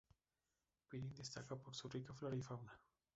Pirin destaca por su rica flora y fauna.